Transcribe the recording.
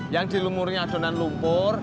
yang dilumurnya adonan lumpur